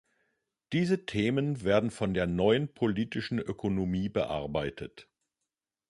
Diese Themen werden von der Neuen Politischen Ökonomie bearbeitet.